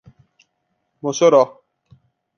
Mossoró